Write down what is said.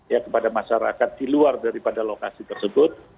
ya kepada masyarakat di luar daripada lokasi tersebut